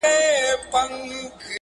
لاري لاري دي ختليقاسم یاره تر اسمانه،